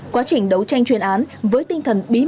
quá trình đấu tranh chuyên án với tinh thần biên giới